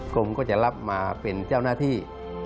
กรมก็จะรับมาเป็นเจ้าหน้าที่